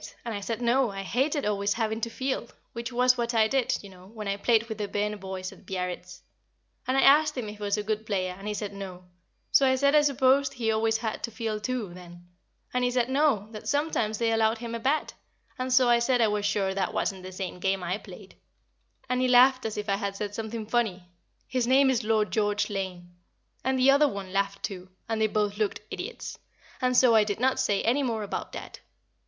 And I said, No, I hated always having to field (which was what I did, you know, when I played with the Byrne boys at Biarritz); and I asked him if he was a good player, and he said "No," so I said I supposed he always had to field too, then; and he said, No, that sometimes they allowed him a bat, and so I said I was sure that wasn't the same game I played; and he laughed as if I had said something funny his name is Lord George Lane and the other one laughed too, and they both looked idiots, and so I did not say any more about that.